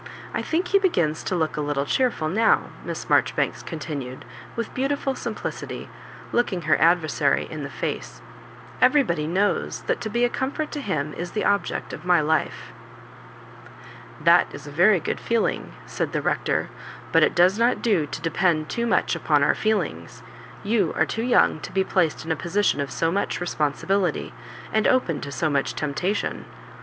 I think he begins to look a little cheerful now," Miss Marjo ribanks continued, with beautiful simplicity, lookuig her adversary in the face. "Every body knows that to be a comfort to him is the object of my life.'* "That is a very good fooling," said the Rector, but it does not do to depend too much upon our feelings. You are too young to be placed in a position of so much responsibility, and open to so much temptation.